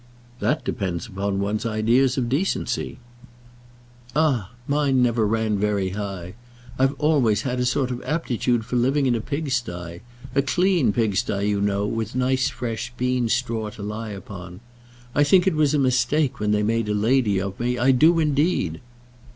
"That depends upon one's ideas of decency." "Ah! mine never ran very high. I've always had a sort of aptitude for living in a pigsty; a clean pigsty, you know, with nice fresh bean straw to lie upon. I think it was a mistake when they made a lady of me. I do, indeed."